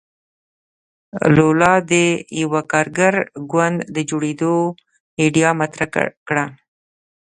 لولا د یوه کارګر ګوند د جوړېدو ایډیا مطرح کړه.